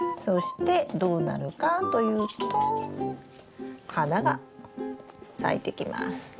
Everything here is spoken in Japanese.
そしてどうなるかというと花が咲いてきます。